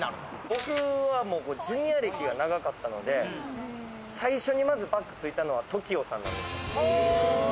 僕はＪｒ．歴が長かったので、最初にバックついたのはＴＯＫＩＯさんなんですよ。